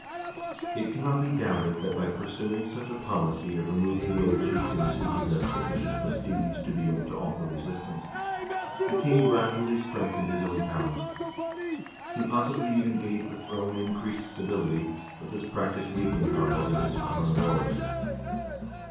It cannot be doubted that by pursuing such a policy of removing the old chieftains who possessed sufficient prestige to be able to offer resistance, the king gradually strengthened his own power. He possibly even gave the throne increased stability, but this practice weakened Harald in his foreign wars.